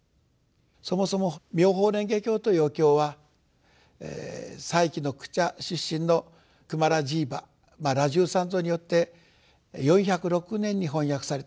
そもそも「妙法蓮華経」というお経は西域のクチャ出身のクマラジーヴァ羅什三蔵によって４０６年に翻訳された。